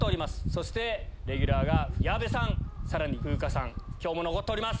そしてレギュラーが矢部さん風花さん今日も残っております。